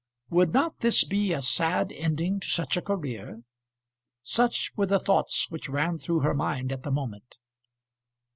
Would not this be a sad ending to such a career? Such were the thoughts which ran through her mind at the moment.